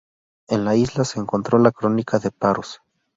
En la isla se encontró la Crónica de Paros.